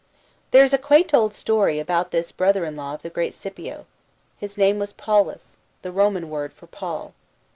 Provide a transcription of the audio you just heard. There is a quaint old story about this brother in law of the great Scipio. His name was Paulus, the Roman word for Paul.